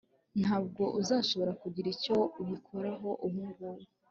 Ntabwo uzashobora kugira icyo ubikoraho ubungubu